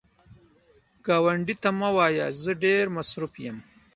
ګاونډي ته مه وایه “زه ډېر مصروف یم”